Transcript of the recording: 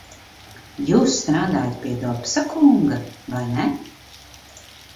Jūs strādājat pie Dobsa kunga, vai ne?